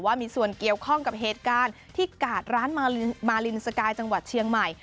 ว่ามีส่วนเกี่ยวข้องกับเหตุการณ์ที่กาดร้านมารินสกายจังหวัดเชียงใหม่